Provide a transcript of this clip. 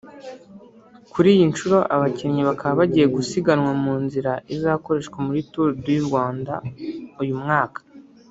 Kuri iyi nshuro abakinnyi bakaba bagiye gusiganwa mu nzira izakoreshwa muri Tour du Rwanda uyu mwaka